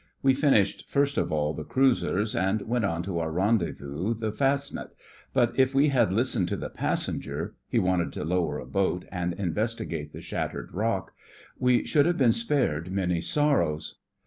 We finished first of all the cruisers, and went on to our rendezvous the Fastnet, but if we had listened to the passenger—he wanted to lower a boat and investigate the shattered rock—we should have been spared many sorrows.